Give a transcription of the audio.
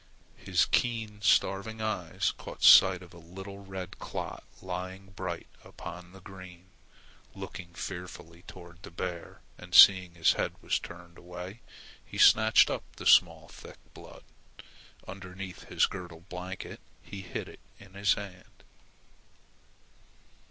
His keen starving eyes caught sight of a little red clot lying bright upon the green. Looking fearfully toward the bear and seeing his head was turned away, he snatched up the small thick blood. Underneath his girdled blanket he hid it in his hand.